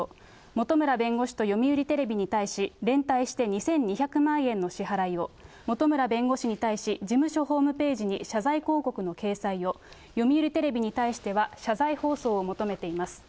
本村弁護士と読売テレビに対し、連帯して２２００万円の支払いを、本村弁護士に対し事務所ホームページに謝罪広告の掲載を、読売テレビに対しては謝罪放送を求めています。